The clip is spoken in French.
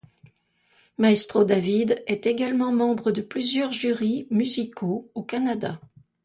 Maestro David est également membre de plusieurs jurys musicaux au Canada.